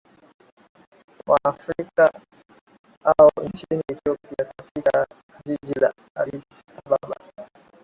wa afrika au nchini ethiopia katika jiji la addis ababa